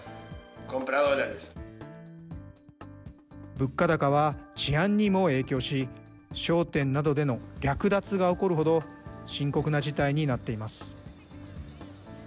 物価高は治安にも影響し、商店などでの略奪が起こるほど、深刻な事態になっています。